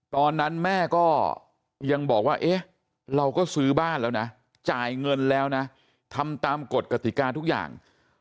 ตอนนั้นแม่ก็ยังบอกว่าเอ๊ะเราก็ซื้อบ้านแล้วนะจ่ายเงินแล้วนะทำตามกฎกติกาทุกอย่าง